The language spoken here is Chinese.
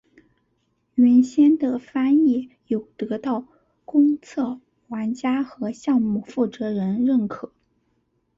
原先的翻译有得到公测玩家和项目负责人认可。